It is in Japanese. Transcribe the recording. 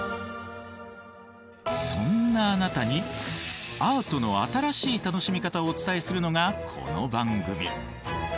そんなあなたにアートの新しい楽しみ方をお伝えするのがこの番組。